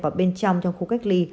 vào bên trong trong khu cách ly